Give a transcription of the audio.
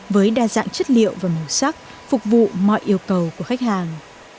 với đa dạng chất liệu và màu sắc phục vụ mọi yêu cầu của khách hàng